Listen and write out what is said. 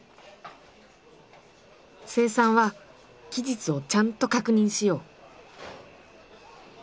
精算は期日をちゃんと確認しよう。